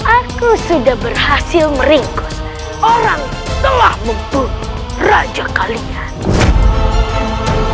aku sudah berhasil meringkus orang telah membunuh raja kalian